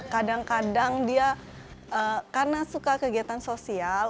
kadang kadang dia karena suka kegiatan sosial